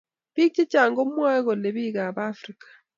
Bik chechang komwoe kole bikap afrika